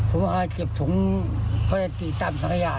อธิบย์จำถุงปลาดีตามขญา